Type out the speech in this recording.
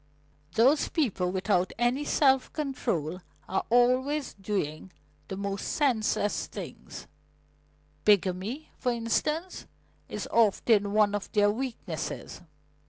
Those people without any self control are always doing the most senseless things bigamy, for instance, is often one of their weaknesses."